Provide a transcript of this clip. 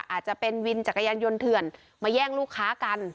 อาจจะเป็นวินจักรยานยนต์เถื่อนมาแย่งลูกค้ากัน